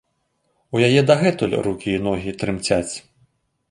У яе дагэтуль рукі і ногі трымцяць.